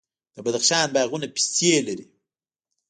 د بدخشان باغونه پستې لري.